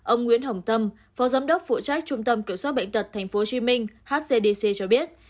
ông nguyễn hồng tâm phó giám đốc phụ trách trung tâm kiểm soát bệnh tật tp hcm hcdc cho biết